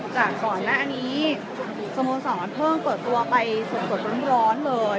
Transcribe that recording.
จากก่อนแหละอันนี้สมมุติสองวันเพิ่มเปิดตัวไปส่วนร้อนเลย